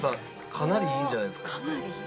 かなりいいんじゃないですか？